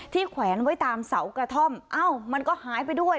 แขวนไว้ตามเสากระท่อมเอ้ามันก็หายไปด้วย